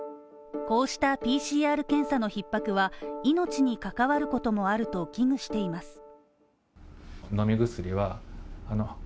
こうしたＰＣＲ検査の逼迫は命に関わることもあると危惧しています。